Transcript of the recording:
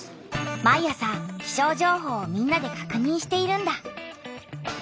毎朝気象情報をみんなでかくにんしているんだ。